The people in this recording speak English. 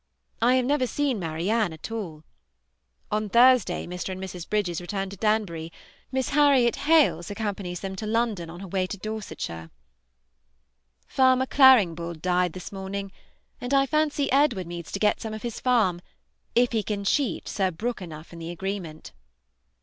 I have never seen Marianne at all. On Thursday Mr. and Mrs. Bridges return to Danbury; Miss Harriet Hales accompanies them to London on her way to Dorsetshire. Farmer Claringbould died this morning, and I fancy Edward means to get some of his farm, if he can cheat Sir Brook enough in the agreement.